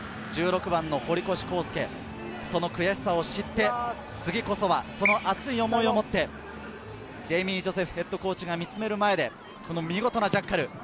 １６番の堀越康介、その悔しさを知って、次こそはその熱い思いを持って、ジェイミー・ジョセフヘッドコーチが見つめる前で見事なジャッカル。